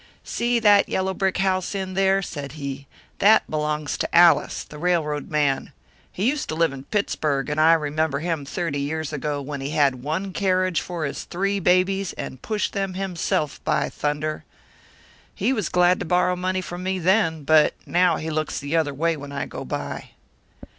"See that yellow brick house in there," said he. "That belongs to Allis, the railroad man. He used to live in Pittsburg, and I remember him thirty years ago, when he had one carriage for his three babies, and pushed them himself, by thunder. He was glad to borrow money from me then, but now he looks the other way when I go by.